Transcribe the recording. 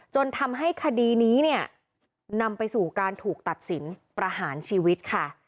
จนทำให้คดีนี้เนี่ยนำไปสู่การถูกตัดสินประหารชีวิตค่ะ